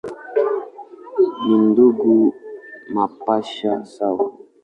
Ni ndugu mapacha sawa.